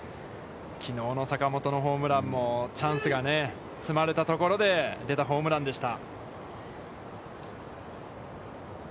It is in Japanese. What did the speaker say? きのうの坂本のホームランもチャンスが積まれたところで出たホームランでした。